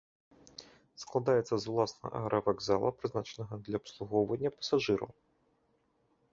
Складаецца з уласна аэравакзала, прызначанага для абслугоўвання пасажыраў.